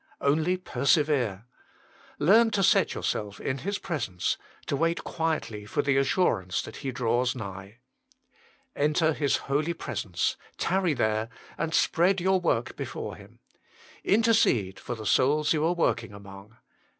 Only persevere. Learn to set yourself in His presence, to wait quietly for the assurance that He draws nigh. Enter His holy presence, tarry there, and spread your work before Him. Intercede for the souls you are working among.